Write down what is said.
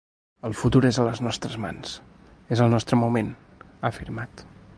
El futur és a les nostres mans, és el nostre moment, ha afirmat.